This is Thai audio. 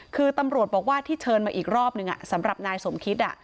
คือตำรวจบอกว่าที่เชิญมาอีกรอบนึงสำหรับนายสมคิด